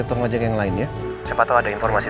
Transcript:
tapi dia ga mau kasih informasi